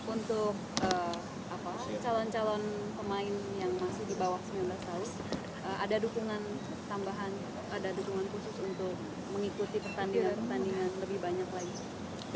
untuk calon calon pemain yang masih di bawah sembilan belas tahun ada dukungan tambahan ada dukungan khusus untuk mengikuti pertandingan pertandingan lebih banyak lagi